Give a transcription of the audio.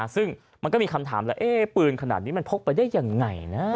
ซึ่งมันก็มีคำถามแล้วปืนขนาดนี้มันพกไปได้ยังไงนะ